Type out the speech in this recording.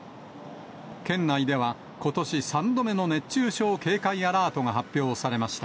県内ではことし３度目の熱中症警戒アラートが発表されました。